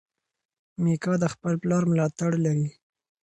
میکا د خپل پلار ملاتړ لري.